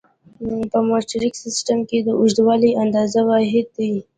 په مټریک سیسټم کې د اوږدوالي د اندازې واحد